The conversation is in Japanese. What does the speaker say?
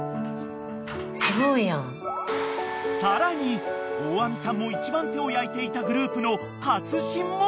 ［さらに大網さんも一番手を焼いていたグループの勝新も］